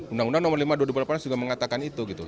undang undang nomor lima tahun dua ribu delapan juga mengatakan itu